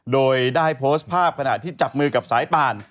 โดยได้โพสต์ภาพขณะที่จับมือกับสายป่าน